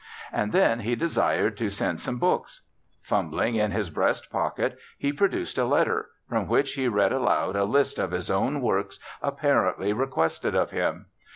And then he desired to send some books. Fumbling in his breast pocket, he produced a letter, from which he read aloud a list of his own works apparently requested of him.